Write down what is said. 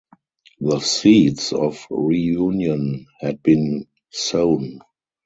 The seeds of reunion had been sown.